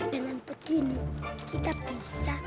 dengan begini kita bisa